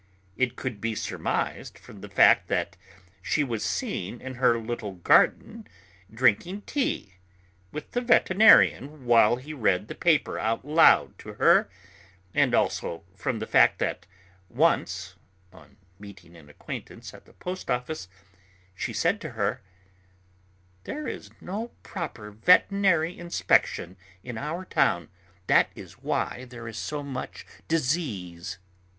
It could be surmised from the fact that she was seen in her little garden drinking tea with the veterinarian while he read the paper out loud to her, and also from the fact that once on meeting an acquaintance at the post office, she said to her: "There is no proper veterinary inspection in our town. That is why there is so much disease.